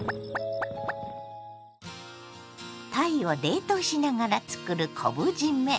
たいを冷凍しながらつくる昆布じめ。